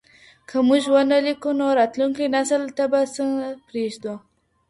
که موږ ونه لیکو نو راتلونکي نسل ته به څه پریږدو.